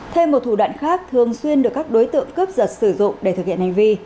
thêm một thủ đoạn khác thường xuyên được các đối tượng cướp giật sử dụng để thực hiện hành vi